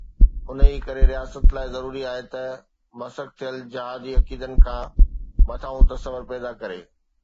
انهيءَ ڪري رياست لاءِ ضروري آهي ته مسخ ٿيل جهادي عقيدن کان مٿانهون تصور پيدا ڪري.